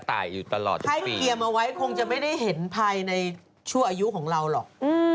ใครเตรียมเอาไว้คงจะไม่ได้เห็นภายในชั่วอายุของเราหรอก